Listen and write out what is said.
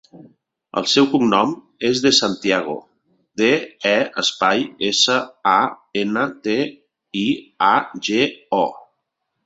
El seu cognom és De Santiago: de, e, espai, essa, a, ena, te, i, a, ge, o.